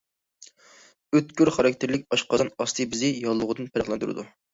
ئۆتكۈر خاراكتېرلىك ئاشقازان ئاستى بېزى ياللۇغىدىن پەرقلەندۈرىدۇ.